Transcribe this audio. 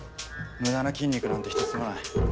無駄な筋肉なんてひとつもない。